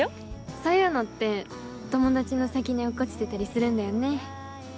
そういうのって友達の先に落っこちてたりするんだよね。